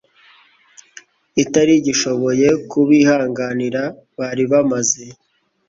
itari igishoboye kubihanganira Bari bamaze